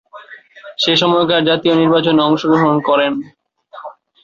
সে সময়কার জাতীয় নির্বাচনে অংশগ্রহণ করেন।